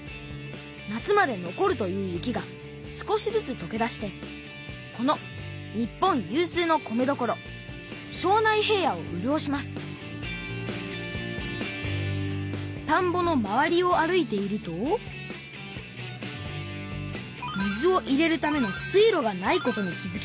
夏まで残るという雪が少しずつとけ出してこの日本有数の米どころ庄内平野をうるおしますたんぼの周りを歩いていると水を入れるための水路がないことに気づきました。